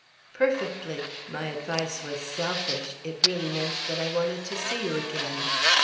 "Perfectly. My advice was selfish it really meant that I wanted to see you again."